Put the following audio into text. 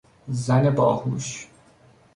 زن باهوش